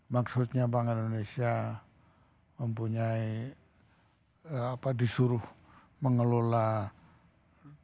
maksudnya bank indonesia mempunyai apa disuruh mengelola keuangan